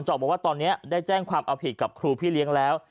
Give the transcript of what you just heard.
อกบอกว่าตอนนี้ได้แจ้งความเอาผิดกับครูพี่เลี้ยงแล้ว